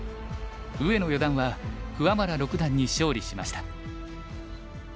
上野四段は桑原六段に勝利しました。